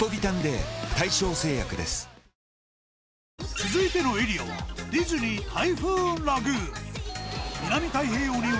続いてのエリアはでは。